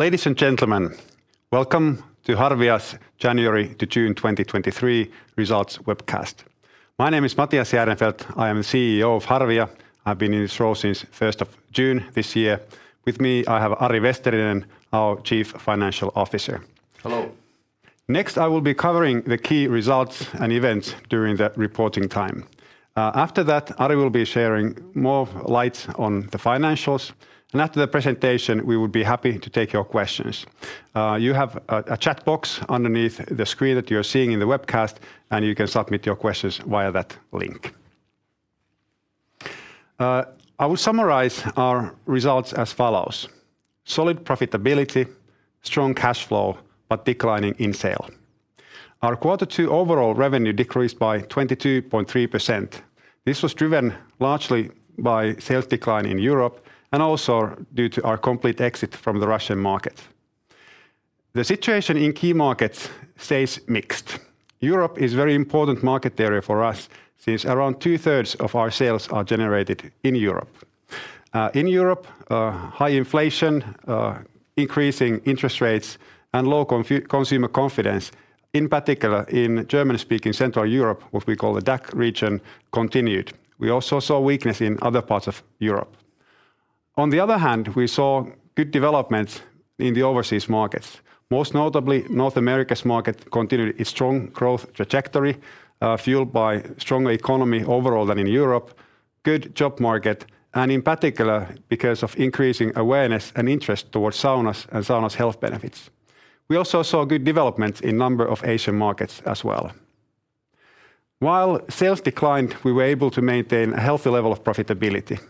Ladies and gentlemen, welcome to Harvia's January to June 2023 results webcast. My name is Matias Järnefelt. I am the CEO of Harvia. I've been in this role since 1st of June this year. With me, I have Ari Vesterinen, our Chief Financial Officer. Hello. Next, I will be covering the key results and events during that reporting time. After that, Ari will be sharing more light on the financials, and after the presentation, we will be happy to take your questions. You have a chat box underneath the screen that you're seeing in the webcast, and you can submit your questions via that link. I will summarize our results as follows: solid profitability, strong cash flow, but declining in sale. Our Q2 overall revenue decreased by 22.3%. This was driven largely by sales decline in Europe and also due to our complete exit from the Russian market. The situation in key markets stays mixed. Europe is a very important market area for us, since around two-thirds of our sales are generated in Europe. In Europe, high inflation, increasing interest rates, and low consumer confidence, in particular in German-speaking Central Europe, what we call the DACH region, continued. We also saw weakness in other parts of Europe. We saw good development in the overseas markets. Most notably, North America's market continued its strong growth trajectory, fueled by stronger economy overall than in Europe, good job market, and in particular, because of increasing awareness and interest towards saunas and sauna's health benefits. We also saw good development in number of Asian markets as well. While sales declined, we were able to maintain a healthy level of profitability.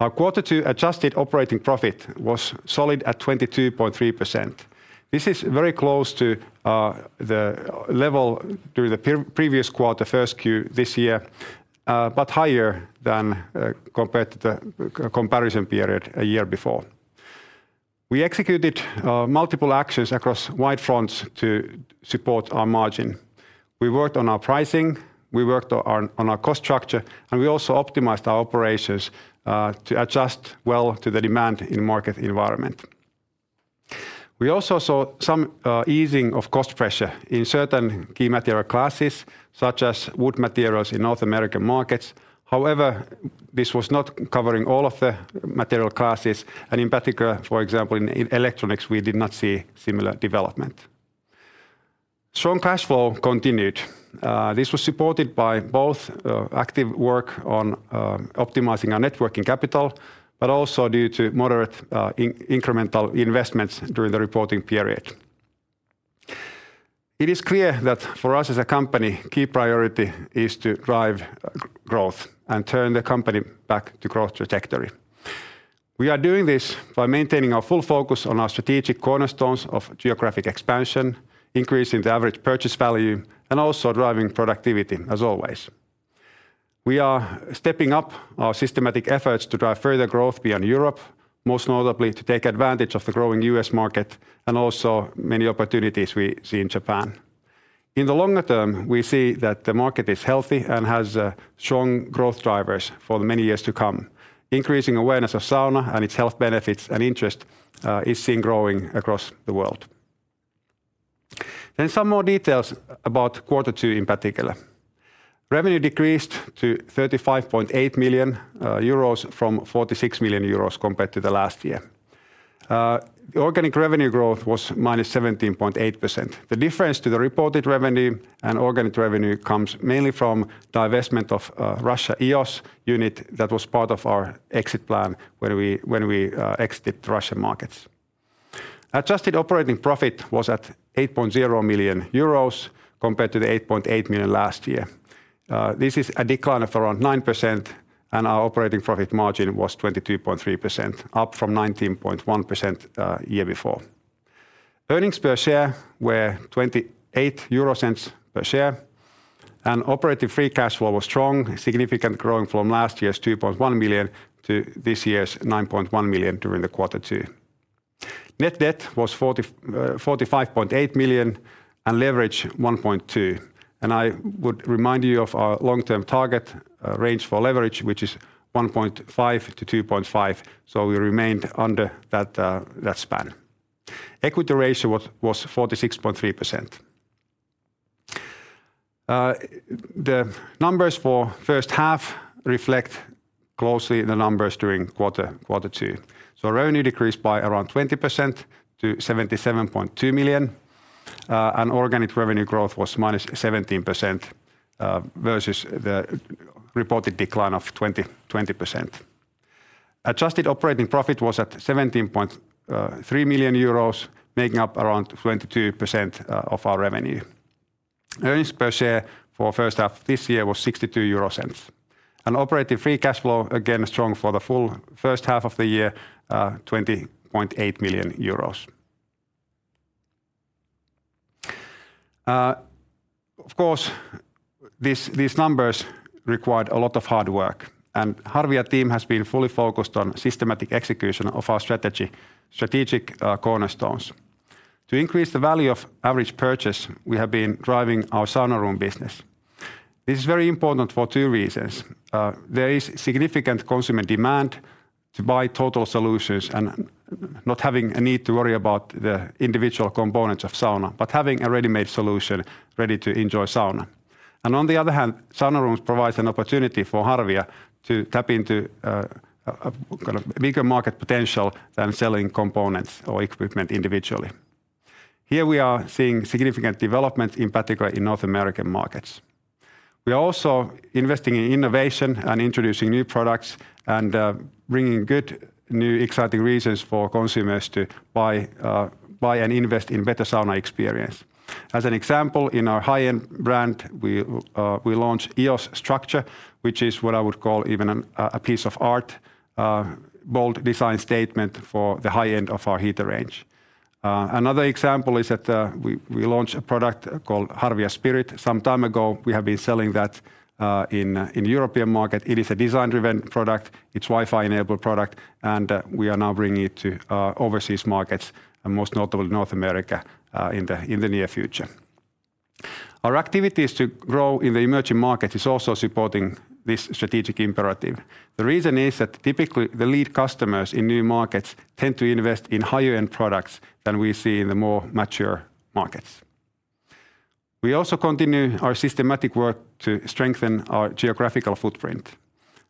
Our Q2 adjusted operating profit was solid at 22.3%. This is very close to the level during the previous quarter, 1Q this year, but higher than compared to the comparison period a year before. We executed multiple actions across wide fronts to support our margin. We worked on our pricing, we worked on our, on our cost structure, and we also optimized our operations to adjust well to the demand in market environment. We also saw some easing of cost pressure in certain key material classes, such as wood materials in North American markets. However, this was not covering all of the material classes, and in particular, for example, in electronics, we did not see similar development. Strong cash flow continued. This was supported by both active work on optimizing our net working capital, but also due to moderate incremental investments during the reporting period. It is clear that for us as a company, key priority is to drive growth and turn the company back to growth trajectory. We are doing this by maintaining our full focus on our strategic cornerstones of geographic expansion, increasing the average purchase value, and also driving productivity, as always. We are stepping up our systematic efforts to drive further growth beyond Europe, most notably to take advantage of the growing US market and also many opportunities we see in Japan. In the longer term, we see that the market is healthy and has strong growth drivers for the many years to come. Increasing awareness of sauna and its health benefits and interest is seen growing across the world. Some more details about Quarter Two in particular. Revenue decreased to 35.8 million euros from 46 million euros compared to the last year. organic revenue growth was -17.8%. The difference to the reported revenue and organic revenue comes mainly from divestment of Russia EOS unit that was part of our exit plan when we exited the Russian markets. adjusted operating profit was at 8.0 million euros compared to 8.8 million last year. This is a decline of around 9%, and our operating profit margin was 22.3%, up from 19.1% year before. Earnings per share were 0.28 per share, operating free cash flow was strong, significant growth from last year's 2.1 million to this year's 9.1 million during the Quarter Two. Net debt was 45.8 million, leverage 1.2. I would remind you of our long-term target range for leverage, which is 1.5-2.5, so we remained under that span. Equity ratio was 46.3%. The numbers for first half reflect closely the numbers during Quarter Two. Revenue decreased by around 20% to 77.2 million, organic revenue growth was -17% versus the reported decline of 20%. adjusted operating profit was at 17.3 million euros, making up around 22% of our revenue. Earnings per share for first half this year was 0.62. operating free cash flow, again, strong for the full first half of the year, 20.8 million euros. Of course, these numbers required a lot of hard work, and Harvia team has been fully focused on systematic execution of our strategy, strategic cornerstones. To increase the value of average purchase, we have been driving our sauna room business. This is very important for two reasons. There is significant consumer demand to buy total solutions and not having a need to worry about the individual components of sauna, but having a ready-made solution, ready to enjoy sauna. On the other hand, sauna rooms provides an opportunity for Harvia to tap into a, a kind of bigger market potential than selling components or equipment individually. Here we are seeing significant development, in particular in North American markets. We are also investing in innovation and introducing new products, and bringing good, new, exciting reasons for consumers to buy, buy and invest in better sauna experience. As an example, in our high-end brand, we, we launched EOS Structure, which is what I would call even an, a piece of art, bold design statement for the high-end of our heater range. Another example is that, we, we launched a product called Harvia Spirit some time ago. We have been selling that in, in European market. It is a design-driven product, it's Wi-Fi-enabled product, and we are now bringing it to overseas markets, and most notably North America in the near future. Our activities to grow in the emerging market is also supporting this strategic imperative. The reason is that typically, the lead customers in new markets tend to invest in higher-end products than we see in the more mature markets. We also continue our systematic work to strengthen our geographical footprint.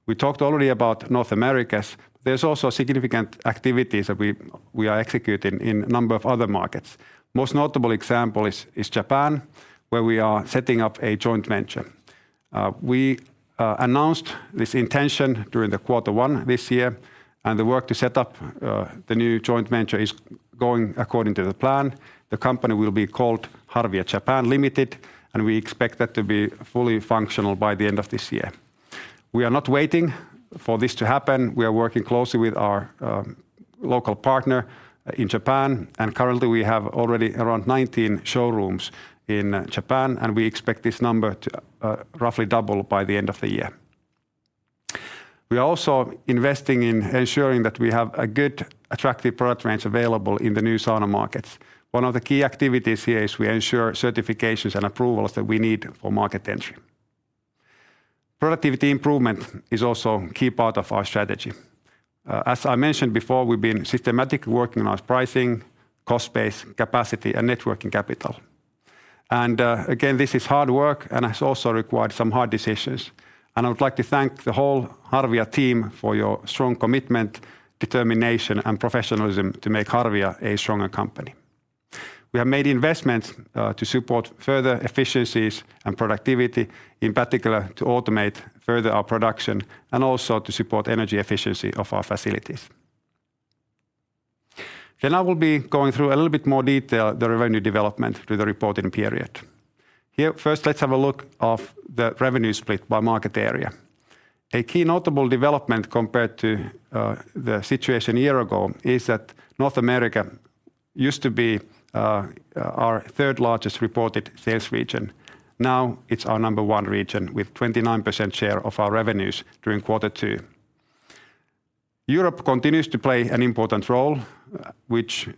We talked already about North Americas. There's also significant activities that we, we are executing in a number of other markets. Most notable example is, is Japan, where we are setting up a joint venture. We announced this intention during the Q1 this year, and the work to set up the new joint venture is going according to the plan. The company will be called Harvia Japan Limited. We expect that to be fully functional by the end of this year. We are not waiting for this to happen. We are working closely with our local partner in Japan. Currently, we have already around 19 showrooms in Japan. We expect this number to roughly double by the end of the year. We are also investing in ensuring that we have a good, attractive product range available in the new sauna markets. One of the key activities here is we ensure certifications and approvals that we need for market entry. Productivity improvement is also a key part of our strategy. As I mentioned before, we've been systematically working on our pricing, cost base, capacity, and net working capital. Again, this is hard work and has also required some hard decisions. I would like to thank the whole Harvia team for your strong commitment, determination, and professionalism to make Harvia a stronger company. We have made investments to support further efficiencies and productivity, in particular, to automate further our production, and also to support energy efficiency of our facilities. I will be going through a little bit more detail, the revenue development through the reporting period. Here, first, let's have a look of the revenue split by market area. A key notable development compared to the situation a year ago is that North America used to be our third-largest reported sales region. Now, it's our number one region, with 29% share of our revenues during Q2. Europe continues to play an important role, which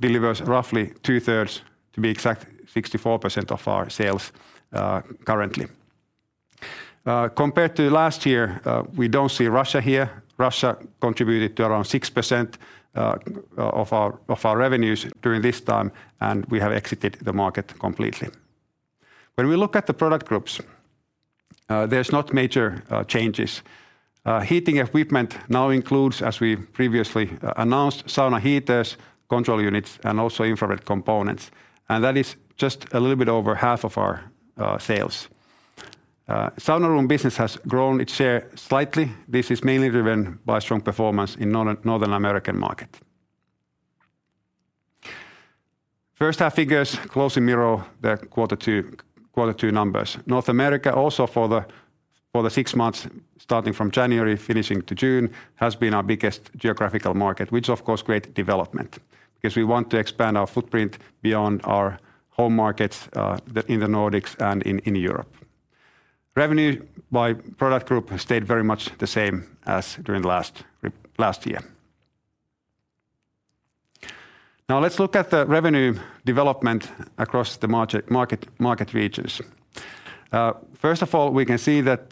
delivers roughly two-thirds, to be exact, 64% of our sales currently. Compared to last year, we don't see Russia here. Russia contributed to around 6% of our, of our revenues during this time, and we have exited the market completely. When we look at the product groups, there's not major changes. Heating equipment now includes, as we previously announced, sauna heaters, control units, and also infrared components, and that is just a little bit over half of our sales. Sauna room business has grown its share slightly. This is mainly driven by strong performance in North American market. First half figures closely mirror the Q2, Q2 numbers. North America also for the 6 months, starting from January, finishing to June, has been our biggest geographical market, which of course, great development, because we want to expand our footprint beyond our home markets in the Nordics and in Europe. Revenue by product group stayed very much the same as during last year. Let's look at the revenue development across the market regions. First of all, we can see that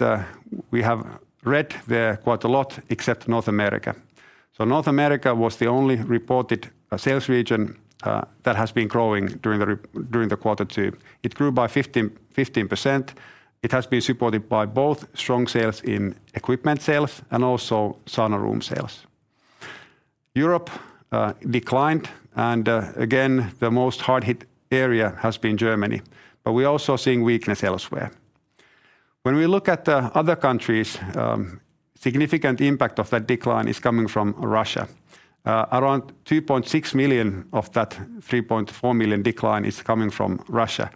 we have red there quite a lot, except North America. North America was the only reported sales region that has been growing during the quarter two. It grew by 15%. It has been supported by both strong sales in equipment sales and also sauna room sales. Europe declined, again, the most hard-hit area has been Germany, but we are also seeing weakness elsewhere. When we look at the other countries, significant impact of that decline is coming from Russia. Around 2.6 million of that 3.4 million decline is coming from Russia.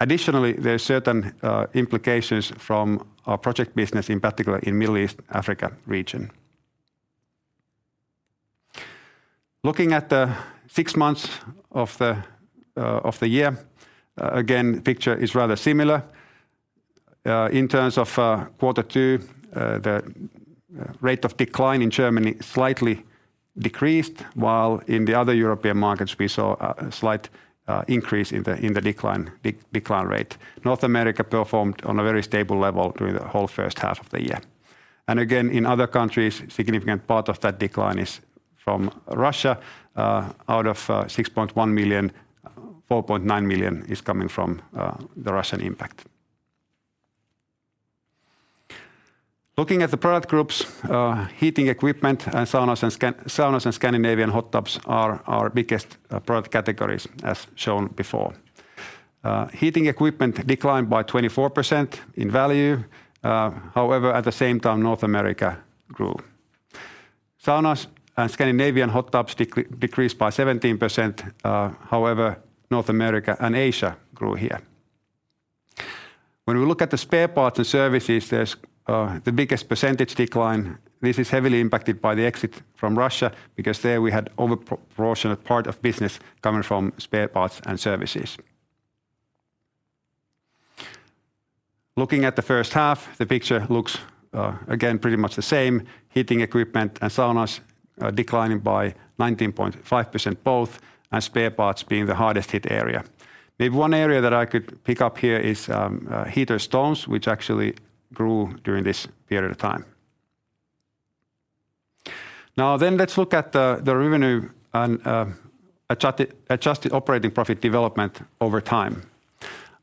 Additionally, there are certain implications from our project business, in particular in Middle East, Africa region. Looking at the 6 months of the year, again, the picture is rather similar. In terms of Q2, the rate of decline in Germany slightly decreased, while in the other European markets, we saw a slight increase in the decline, decline rate. North America performed on a very stable level during the whole first half of the year. Again, in other countries, a significant part of that decline is from Russia. Out of 6.1 million, 4.9 million is coming from the Russian impact. Looking at the product groups, heating equipment and saunas and Scandinavian hot tubs are our biggest product categories, as shown before. Heating equipment declined by 24% in value. However, at the same time, North America grew. Saunas and Scandinavian hot tubs decreased by 17%, however, North America and Asia grew here. When we look at the spare parts and services, there's the biggest percentage decline. This is heavily impacted by the exit from Russia, because there we had proportionate part of business coming from spare parts and services. Looking at the first half, the picture looks again, pretty much the same. Heating equipment and saunas are declining by 19.5% both, Spare parts being the hardest hit area. The one area that I could pick up here is heater stones, which actually grew during this period of time. Let's look at the revenue and adjusted operating profit development over time.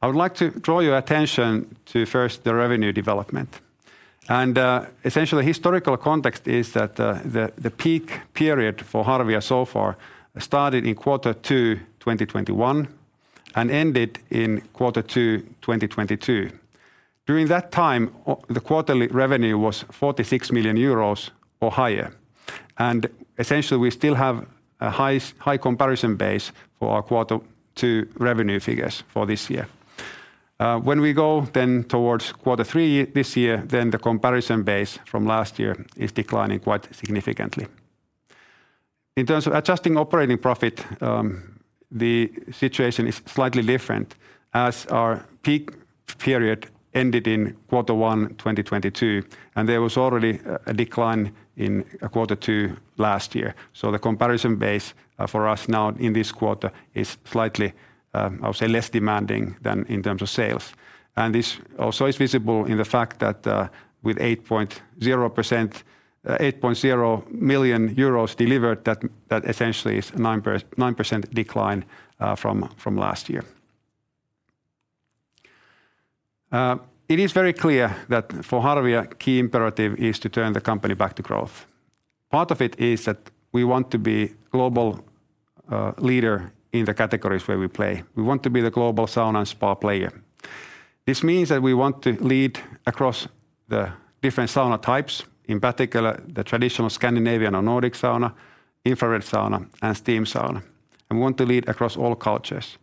I would like to draw your attention to first the revenue development. Essentially, historical context is that the peak period for Harvia so far started in Q2 2021 and ended in Q2 2022. During that time, the quarterly revenue was 46 million euros or higher. Essentially, we still have a high comparison base for our Q2 revenue figures for this year. When we go then towards quarter three this year, then the comparison base from last year is declining quite significantly. In terms of adjusted operating profit, the situation is slightly different, as our peak period ended in quarter one, 2022, and there was already a decline in quarter two last year. The comparison base for us now in this quarter is slightly, I would say, less demanding than in terms of sales. This also is visible in the fact that with 8.0 million euros delivered, that essentially is a 9% decline from last year. It is very clear that for Harvia, key imperative is to turn the company back to growth. Part of it is that we want to be global leader in the categories where we play. We want to be the global sauna and spa player. This means that we want to lead across the different sauna types, in particular, the traditional Scandinavian or Nordic sauna, infrared sauna, and steam sauna, and we want to lead across all cultures.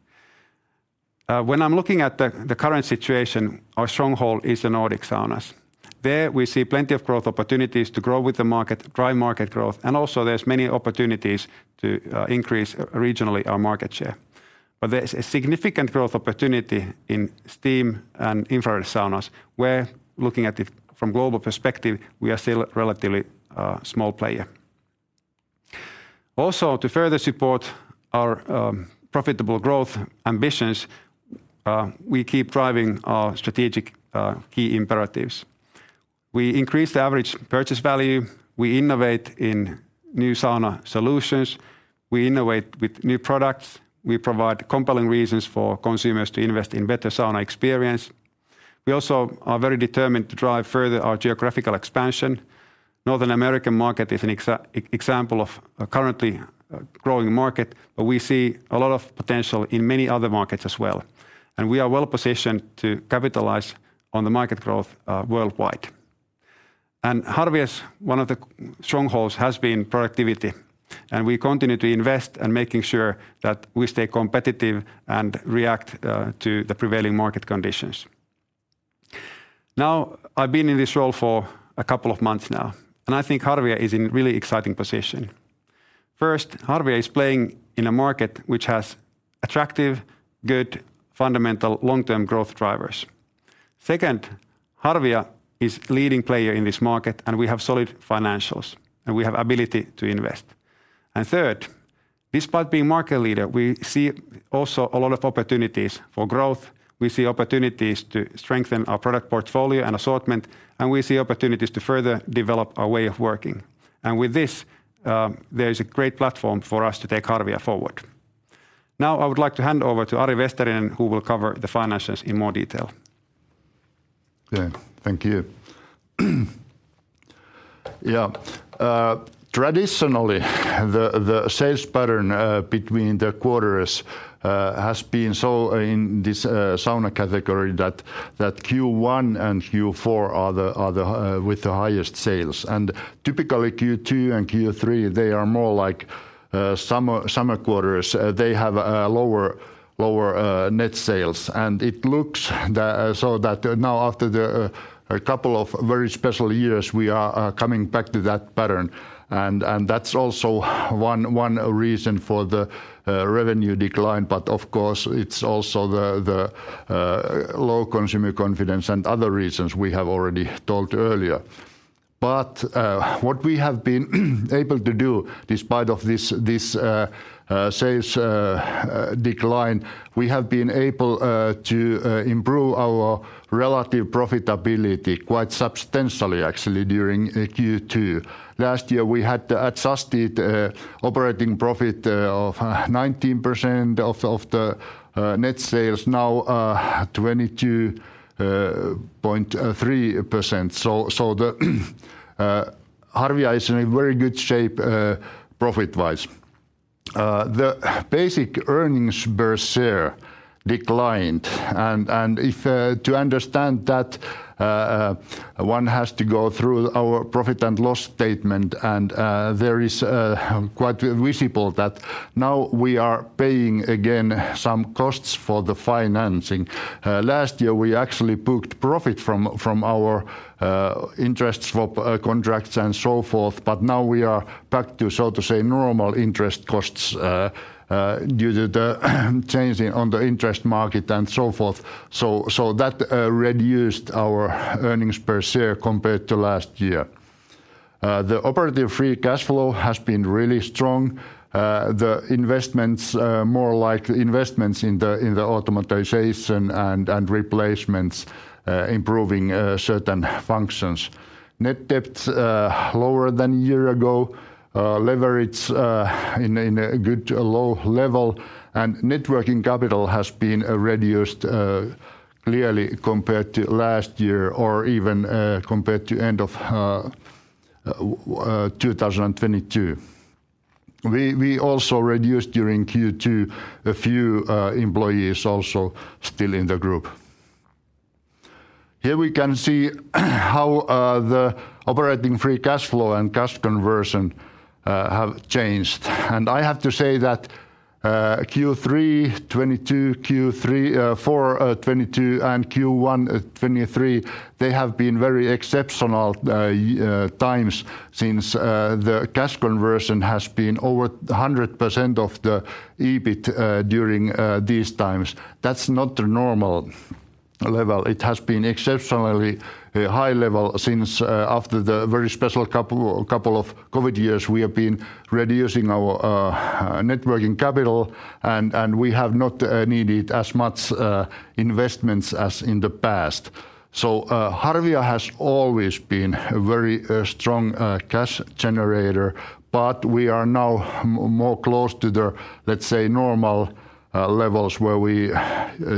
When I'm looking at the current situation, our stronghold is the Nordic saunas. There, we see plenty of growth opportunities to grow with the market, drive market growth, and also there's many opportunities to increase regionally our market share. There's a significant growth opportunity in steam and infrared saunas, where, looking at it from global perspective, we are still a relatively small player. To further support our profitable growth ambitions, we keep driving our strategic key imperatives. We increase the average purchase value, we innovate in new sauna solutions, we innovate with new products, we provide compelling reasons for consumers to invest in better sauna experience. We also are very determined to drive further our geographical expansion. North American market is an example of a currently growing market, but we see a lot of potential in many other markets as well, and we are well positioned to capitalize on the market growth worldwide. Harvia's one of the strongholds has been productivity, and we continue to invest in making sure that we stay competitive and react to the prevailing market conditions. Now, I've been in this role for a couple of months now, and I think Harvia is in a really exciting position. First, Harvia is playing in a market which has attractive, good, fundamental, long-term growth drivers. Second, Harvia is leading player in this market, and we have solid financials, and we have ability to invest. Third, despite being market leader, we see also a lot of opportunities for growth, we see opportunities to strengthen our product portfolio and assortment, and we see opportunities to further develop our way of working. With this, there is a great platform for us to take Harvia forward. Now, I would like to hand over to Ari Vesterinen, who will cover the finances in more detail. Yeah. Thank you. Yeah, traditionally, the sales pattern between the quarters has been so in this sauna category that Q1 and Q4 are the with the highest sales. Typically, Q2 and Q3, they are more like summer, summer quarters. They have lower, lower net sales. It looks that so that now after the a couple of very special years, we are coming back to that pattern, and that's also one, one reason for the revenue decline. Of course, it's also the low consumer confidence and other reasons we have already told earlier. What we have been able to do, despite of this, this sales decline, we have been able to improve our relative profitability quite substantially actually, during Q2. Last year, we had the adjusted operating profit of 19% of the net sales, now 22.3%. The Harvia is in a very good shape profit-wise. The basic earnings per share declined, and if to understand that, one has to go through our profit and loss statement and there is quite visible that now we are paying again some costs for the financing. Last year, we actually booked profit from our interest swap contracts and so forth, but now we are back to, so to say, normal interest costs due to the changing on the interest market and so forth. That reduced our earnings per share compared to last year. The operating free cash flow has been really strong. The investments, more like investments in the automation and replacements, improving certain functions. Net debt lower than a year ago, leverage in a good low level, and net working capital has been reduced clearly compared to last year or even compared to end of 2022. We also reduced during Q2 a few employees also still in the group. Here we can see, how the operating free cash flow and cash conversion have changed. I have to say that Q3 2022, Q4 2022, and Q1 2023, they have been very exceptional times since the cash conversion has been over 100% of the EBIT during these times. That's not the normal level. It has been exceptionally a high level since after the very special couple, couple of COVID years, we have been reducing our net working capital, and we have not needed as much investments as in the past. Harvia has always been a very strong cash generator, but we are now more close to the, let's say, normal levels, where we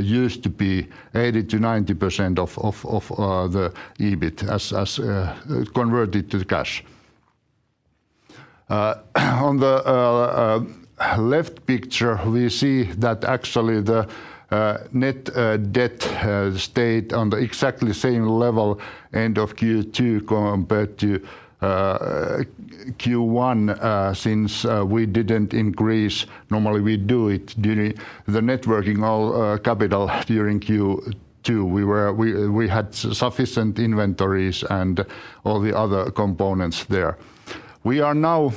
used to be, 80%-90% of the EBIT as converted to cash. On the left picture, we see that actually the net debt stayed on the exactly same level end of Q2 compared to Q1, since we didn't increase. Normally, we do it during the net working capital during Q2. We had sufficient inventories and all the other components there. We are now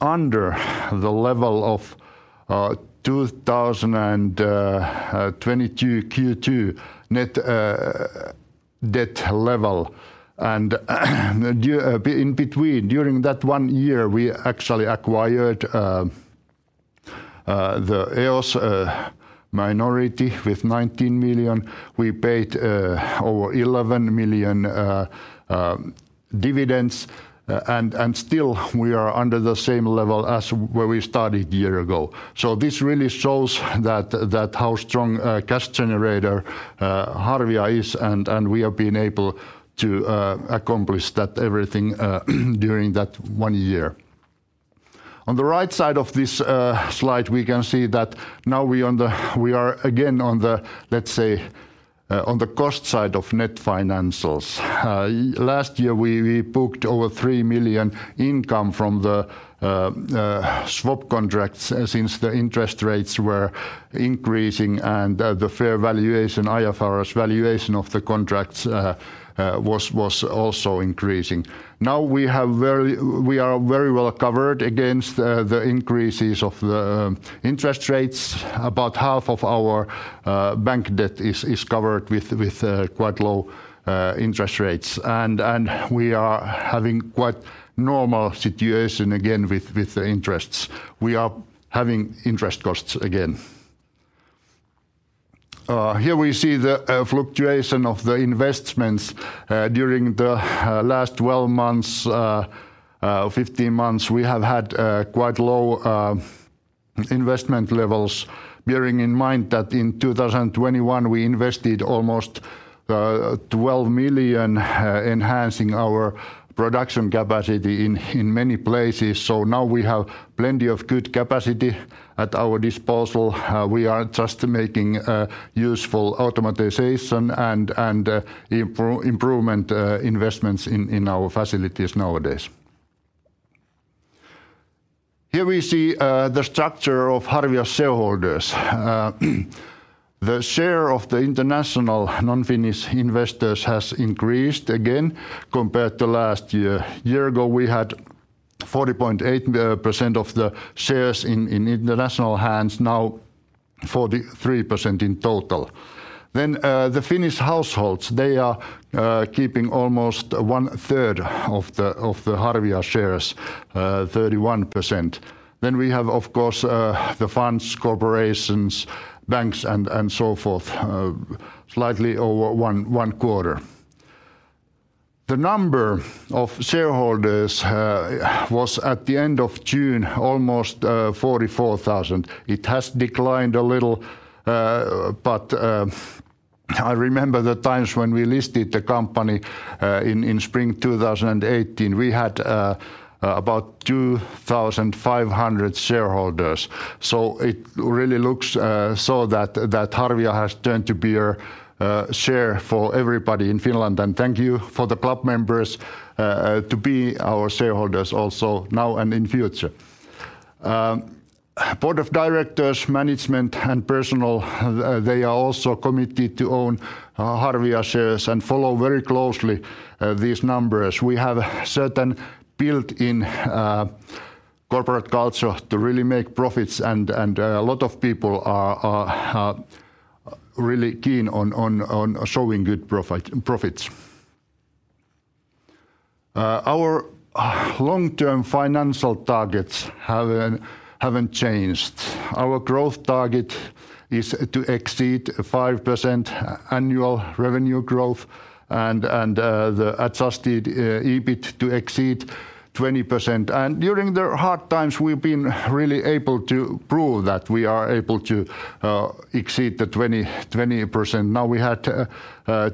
under the level of 2022 Q2 net debt level. In between, during that one year, we actually acquired the EOS minority with 19 million. We paid over 11 million dividends, still we are under the same level as where we started a year ago. This really shows that how strong a cash generator Harvia is, and we have been able to accomplish that everything during that one year. On the right side of this slide, we can see that now we are again on the, let's say, on the cost side of net financials. Last year, we booked over 3 million income from the swap contracts, since the interest rates were increasing and the fair valuation, IFRS valuation of the contracts was also increasing. Now we are very well covered against the increases of the interest rates. About half of our bank debt is, is covered with, with quite low interest rates. We are having quite normal situation again with, with the interests. We are having interest costs again. Here we see the fluctuation of the investments during the last 12 months, 15 months. We have had quite low investment levels, bearing in mind that in 2021, we invested almost 12 million, enhancing our production capacity in many places. Now we have plenty of good capacity at our disposal. We are just making useful automatization and improvement investments in our facilities nowadays. Here we see the structure of Harvia shareholders. The share of the international non-Finnish investors has increased again compared to last year. A year ago, 40.8% of the shares in international hands, now 43% in total. The Finnish households, they are keeping almost one third of the Harvia shares, 31%. We have, of course, the funds, corporations, banks, and so forth, slightly over one quarter. The number of shareholders was at the end of June, almost 44,000. It has declined a little, but I remember the times when we listed the company in spring 2018, we had about 2,500 shareholders. It really looks so that Harvia has turned to be a share for everybody in Finland. Thank you for the club members to be our shareholders also now and in future. Board of directors, management, and personnel, they are also committed to own Harvia shares and follow very closely these numbers. We have a certain built-in corporate culture to really make profits, and a lot of people are really keen on showing good profits. Our long-term financial targets haven't changed. Our growth target is to exceed 5% annual revenue growth and the adjusted EBIT to exceed 20%. During the hard times, we've been really able to prove that we are able to exceed the 20%. Now, we had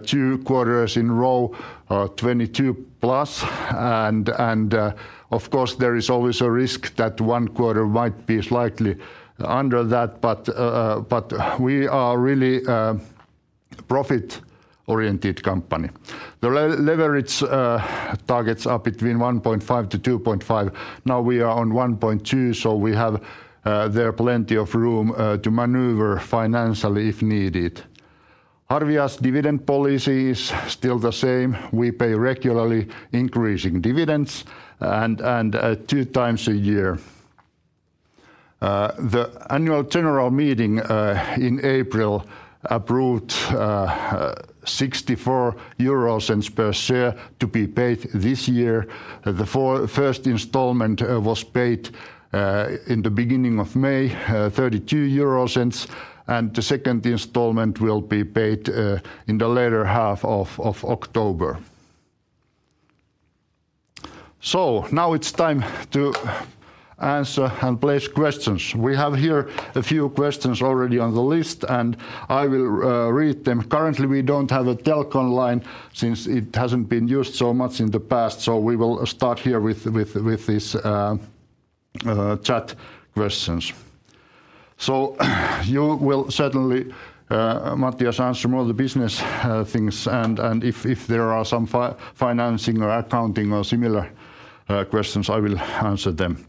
2 quarters in row, 22+, and of course, there is always a risk that 1 quarter might be slightly under that, but we are really profit-oriented company. The leverage targets are between 1.5-2.5. Now, we are on 1.2, so we have there plenty of room to maneuver financially, if needed. Harvia's dividend policy is still the same. We pay regularly increasing dividends 2 times a year. The annual general meeting in April approved 0.64 euros per share to be paid this year. The first installment was paid in the beginning of May, 0.32, and the second installment will be paid in the latter half of October. Now it's time to answer and place questions. We have here a few questions already on the list, and I will read them. Currently, we don't have a telcon line since it hasn't been used so much in the past, we will start here with these chat questions. You will certainly, Matias, answer more of the business things, and if there are some financing or accounting or similar questions, I will answer them.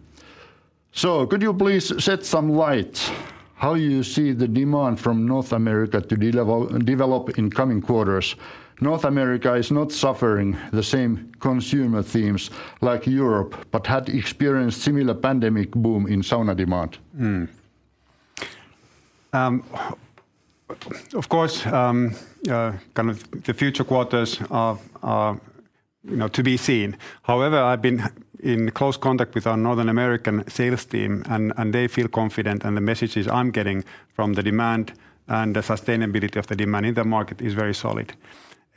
Could you please shed some light how you see the demand from North America to develop in coming quarters? North America is not suffering the same consumer themes like Europe, but had experienced similar pandemic boom in sauna demand. Of course, kind of the future quarters are, you know, to be seen. However, I've been in close contact with our North American sales team, and they feel confident, and the messages I'm getting from the demand and the sustainability of the demand in the market is very solid.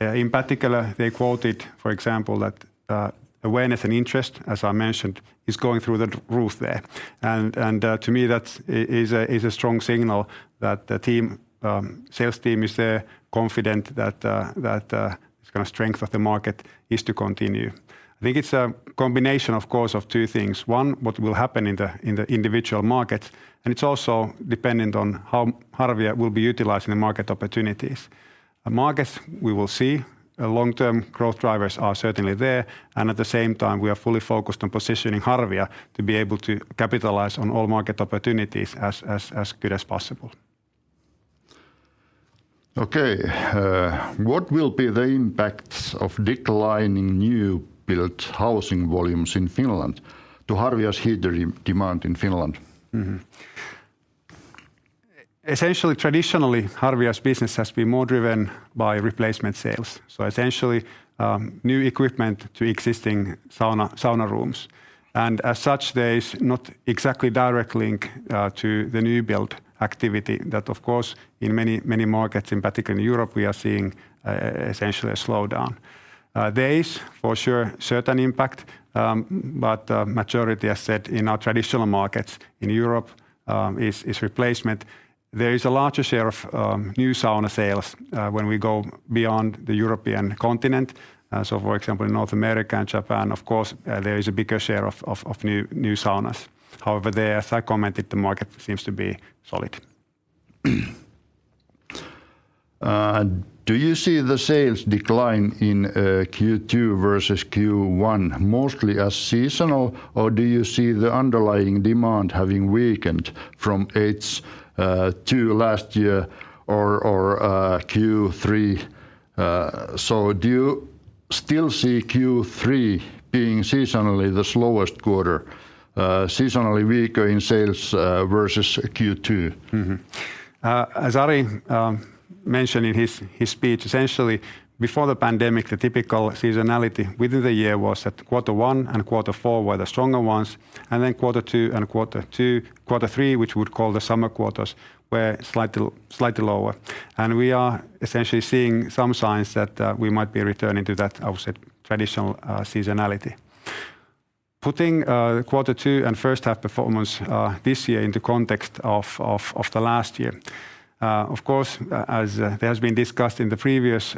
In particular, they quoted, for example, that awareness and interest, as I mentioned, is going through the r- roof there. To me, that's... is a strong signal that the team, sales team is confident that kind of strength of the market is to continue. I think it's a combination, of course, of two things: one, what will happen in the individual market, and it's also dependent on how Harvia will be utilizing the market opportunities. Markets, we will see. Long-term growth drivers are certainly there, and at the same time, we are fully focused on positioning Harvia to be able to capitalize on all market opportunities as, as, as good as possible. Okay. What will be the impacts of declining new-built housing volumes in Finland to Harvia's heater demand in Finland? Essentially, traditionally, Harvia's business has been more driven by replacement sales, so essentially, new equipment to existing sauna, sauna rooms. As such, there is not exactly direct link to the new-build activity that, of course, in many markets, in particular in Europe, we are seeing essentially a slowdown. There is, for sure, certain impact, but majority, as said, in our traditional markets in Europe, is replacement. There is a larger share of new sauna sales when we go beyond the European continent. So for example, in North America and Japan, of course, there is a bigger share of, of, of new, new saunas. However, there, as I commented, the market seems to be solid. Do you see the sales decline in Q2 versus Q1 mostly as seasonal, or do you see the underlying demand having weakened from H2 last year or Q3? Still see Q3 being seasonally the slowest quarter, seasonally weaker in sales, versus Q2? As Ari mentioned in his, his speech, essentially before the pandemic, the typical seasonality within the year was that quarter one and quarter four were the stronger ones, and then quarter two and quarter three, which we would call the summer quarters, were slightly, slightly lower. We are essentially seeing some signs that we might be returning to that, I would say, traditional seasonality. Putting quarter two and first half performance this year into context of, of, of the last year, of course, as it has been discussed in the previous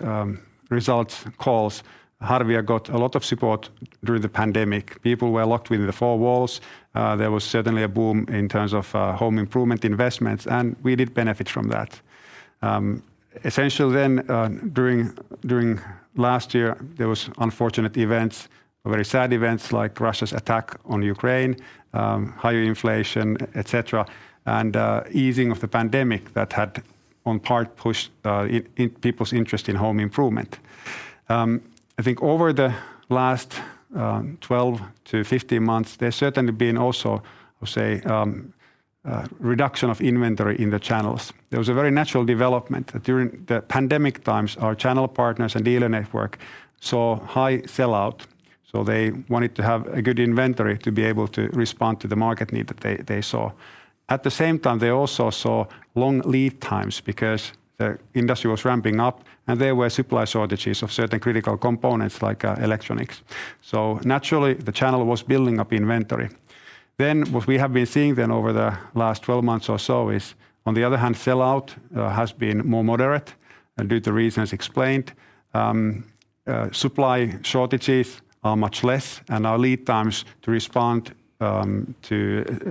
results calls, Harvia got a lot of support during the pandemic. People were locked within the four walls. There was certainly a boom in terms of home improvement investments, and we did benefit from that. Essentially then, during, during last year, there was unfortunate events, very sad events, like Russia's attack on Ukraine, higher inflation, et cetera. Easing of the pandemic that had, on part, pushed, people's interest in home improvement. I think over the last, 12 to 15 months, there's certainly been also, we'll say, reduction of inventory in the channels. There was a very natural development. During the pandemic times, our channel partners and dealer network saw high sell-out, so they wanted to have a good inventory to be able to respond to the market need that they, they saw. At the same time, they also saw long lead times because the industry was ramping up, and there were supply shortages of certain critical components, like, electronics. Naturally, the channel was building up inventory. What we have been seeing then over the last 12 months or so is, on the other hand, sell-out has been more moderate and due to reasons explained. Supply shortages are much less, and our lead times to respond to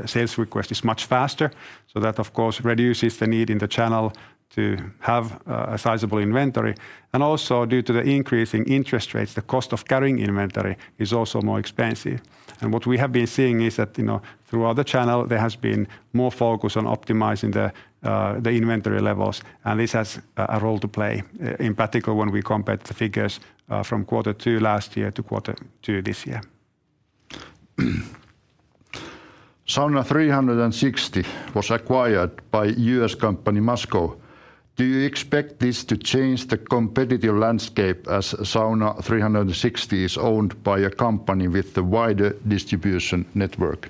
sales request is much faster. That, of course, reduces the need in the channel to have a, a sizable inventory. Also, due to the increase in interest rates, the cost of carrying inventory is also more expensive. What we have been seeing is that, you know, throughout the channel, there has been more focus on optimizing the inventory levels, and this has a role to play in particular, when we compare the figures from quarter 2 last year to quarter 2 this year. Sauna360 was acquired by U.S. company, Masco. Do you expect this to change the competitive landscape, as Sauna360 is owned by a company with the wider distribution network?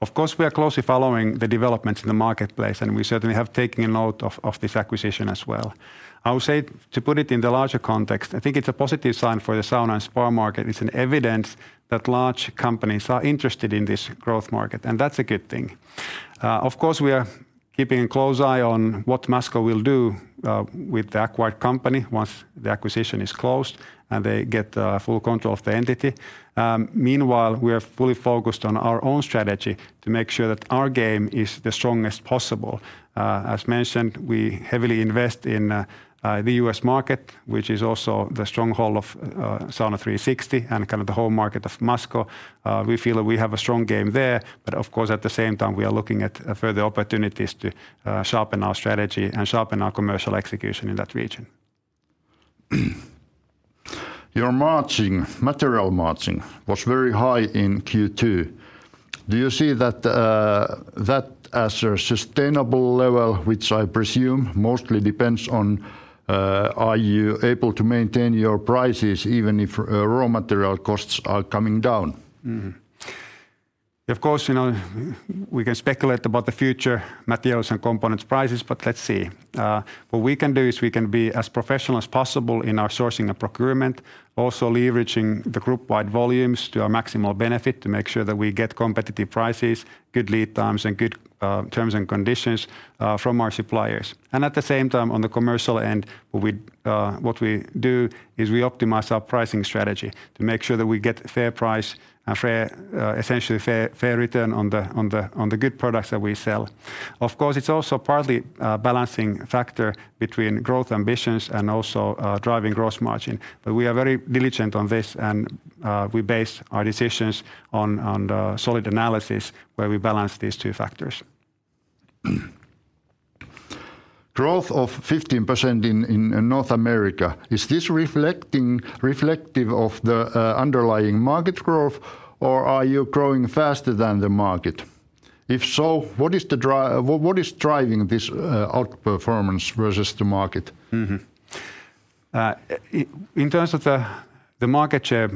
Of course, we are closely following the developments in the marketplace. We certainly have taken a note of, of this acquisition as well. I would say, to put it in the larger context, I think it's a positive sign for the sauna and spa market. It's an evidence that large companies are interested in this growth market, and that's a good thing. Of course, we are keeping a close eye on what Masco will do with the acquired company once the acquisition is closed, and they get full control of the entity. Meanwhile, we are fully focused on our own strategy to make sure that our game is the strongest possible. As mentioned, we heavily invest in the US market, which is also the stronghold of Sauna360 and kind of the home market of Masco. We feel that we have a strong game there, but of course, at the same time, we are looking at further opportunities to sharpen our strategy and sharpen our commercial execution in that region. Your margin, material margin, was very high in Q2. Do you see that, that as a sustainable level, which I presume mostly depends on, are you able to maintain your prices even if, raw material costs are coming down? Of course, you know, we can speculate about the future materials and components prices, but let's see. What we can do is we can be as professional as possible in our sourcing and procurement. Also leveraging the group-wide volumes to our maximal benefit to make sure that we get competitive prices, good lead times, and good terms and conditions from our suppliers. At the same time, on the commercial end, we, what we do is we optimize our pricing strategy to make sure that we get a fair price and fair, essentially fair, fair return on the, on the, on the good products that we sell. Of course, it's also partly a balancing factor between growth ambitions and also driving gross margin. We are very diligent on this, and we base our decisions on, on the solid analysis, where we balance these two factors. Growth of 15% in North America, is this reflective of the underlying market growth, or are you growing faster than the market? If so, what is driving this outperformance versus the market? In terms of the market share,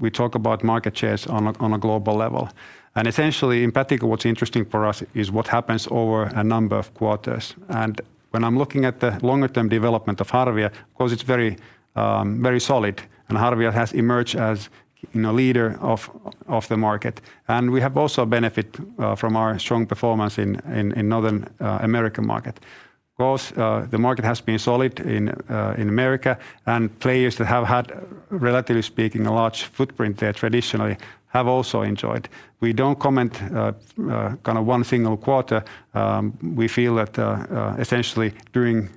we talk about market shares on a global level, and essentially, in particular, what's interesting for us is what happens over a number of quarters. When I'm looking at the longer-term development of Harvia, of course, it's very, very solid, and Harvia has emerged as, you know, leader of the market. We have also benefit from our strong performance in North American market. Of course, the market has been solid in America, and players that have had, relatively speaking, a large footprint there traditionally have also enjoyed. We don't comment kind of one single quarter. We feel that, essentially, during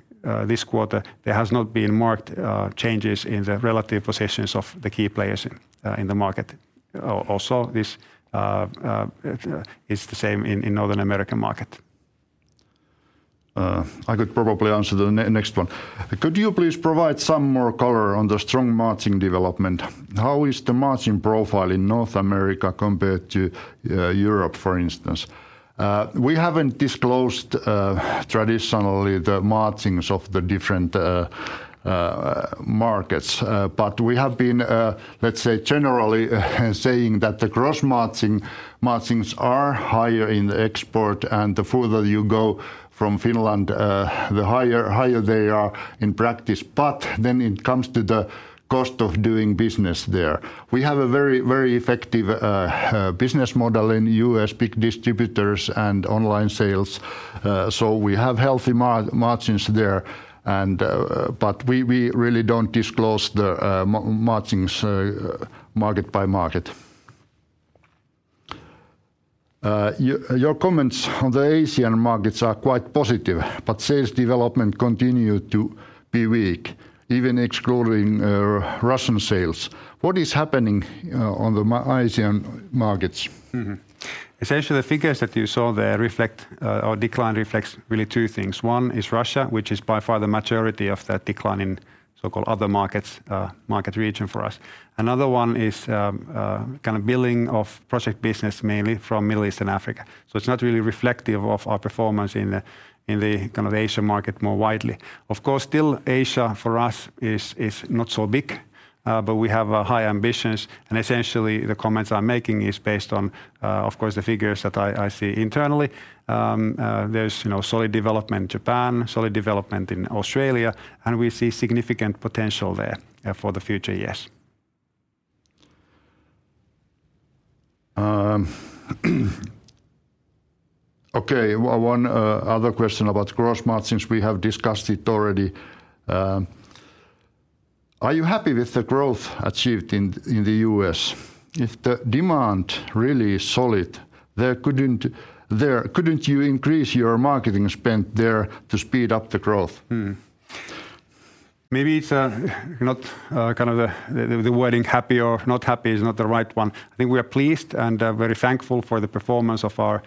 this quarter, there has not been marked changes in the relative positions of the key players in the market. Also, this is the same in Northern American market. I could probably answer the next one. Could you please provide some more color on the strong margin development? How is the margin profile in North America compared to Europe, for instance? We haven't disclosed traditionally, the margins of the different markets, but we have been, let's say, generally, saying that the gross margins are higher in the export, and the further you go from Finland, the higher, higher they are in practice. Then it comes to the cost of doing business there. We have a very, very effective business model in US, big distributors and online sales, so we have healthy margins there. We, we really don't disclose the margins market by market. Your comments on the Asian markets are quite positive, but sales development continue to be weak, even excluding Russian sales. What is happening on the Asian markets? Essentially, the figures that you saw there reflect or decline reflects really two things. One is Russia, which is by far the majority of that decline in so-called other markets, market region for us. Another one is kind of billing of project business, mainly from Middle East and Africa. It's not really reflective of our performance in the kind of Asia market more widely. Of course, still Asia for us is not so big, but we have high ambitions and essentially the comments I'm making is based on of course, the figures that I see internally. There's, you know, solid development in Japan, solid development in Australia, and we see significant potential there for the future, yes. Okay. Well, one other question about gross margins, we have discussed it already. Are you happy with the growth achieved in, in the US? If the demand really is solid, there couldn't, couldn't you increase your marketing spend there to speed up the growth? Mm-hmm. Maybe it's not kind of the... The, the wording happy or not happy is not the right one. I think we are pleased and very thankful for the performance of our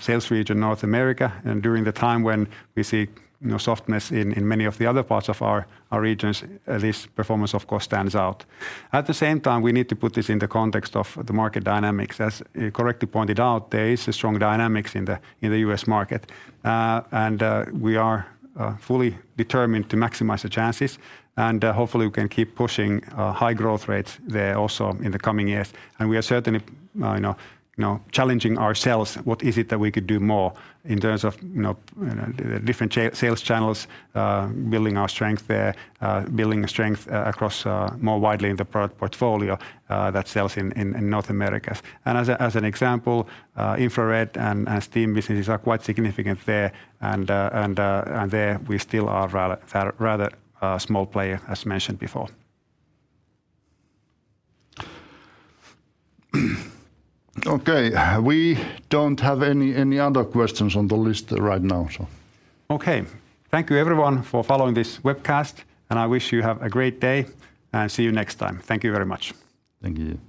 sales region, North America, and during the time when we see, you know, softness in many of the other parts of our regions, this performance, of course, stands out. At the same time, we need to put this in the context of the market dynamics. As you correctly pointed out, there is a strong dynamics in the US market. We are fully determined to maximize the chances, and hopefully we can keep pushing high growth rates there also in the coming years. We are certainly, you know, you know, challenging ourselves, what is it that we could do more in terms of, you know, different sales channels, building our strength there, building strength across more widely in the product portfolio that sells in North America. As an example, infrared and steam businesses are quite significant there, and there we still are rather a small player, as mentioned before. Okay, we don't have any, any other questions on the list right now, so... Okay. Thank you everyone for following this webcast. I wish you have a great day, and see you next time. Thank you very much. Thank you.